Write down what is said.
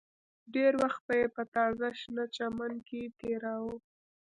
ډېر وخت به یې په تازه شنه چمن کې تېراوه